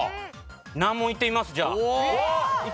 難問いってみますじゃあ。